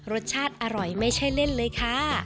รสชาติอร่อยไม่ใช่เล่นเลยค่ะ